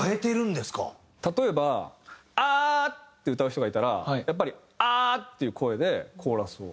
例えば「アー！」って歌う人がいたらやっぱり「アー！」っていう声でコーラスを。